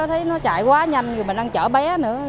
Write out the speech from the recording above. thấy nó chạy quá nhanh rồi mình ăn chở bé nữa